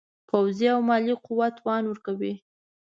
پوځي او مالي قوت توان ورکوي.